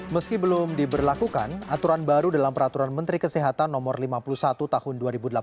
meski belum diberlakukan aturan baru dalam peraturan menteri kesehatan no lima puluh satu tahun dua ribu delapan belas